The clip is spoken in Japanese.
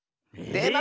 ⁉でま